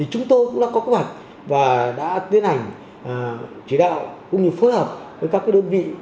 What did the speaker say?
cũng đã có cơ hoạch và đã tiến hành chỉ đạo cũng như phối hợp với các đơn vị